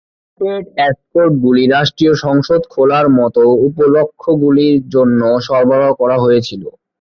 Mounted এসকর্টগুলি রাষ্ট্রীয় সংসদ খোলার মতো উপলক্ষগুলির জন্য সরবরাহ করা হয়েছিল।